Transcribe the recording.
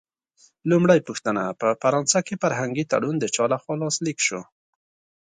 لومړۍ پوښتنه: په فرانسه کې فرهنګي تړون د چا له خوا لاسلیک شو؟